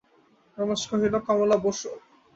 রমেশ কহিল, কমলা, বোসো।